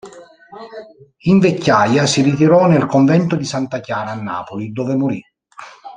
In vecchiaia si ritirò nel convento di Santa Chiara a Napoli, dove morì.